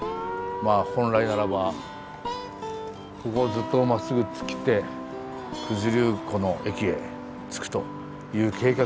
本来ならばここずっとまっすぐ突っ切って九頭竜湖の駅へ着くという計画が立てられていたんですよね。